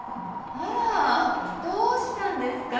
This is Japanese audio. あらどうしたんですか？